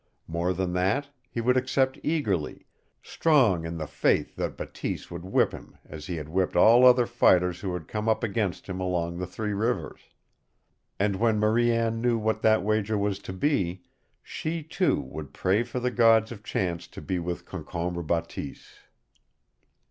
More than that, he would accept eagerly, strong in the faith that Bateese would whip him as he had whipped all other fighters who had come up against him along the Three Rivers. And when Marie Anne knew what that wager was to be, she, too, would pray for the gods of chance to be with Concombre Bateese!